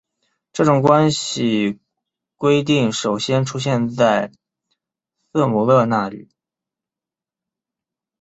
这种关系规定首先出现在塞姆勒那里。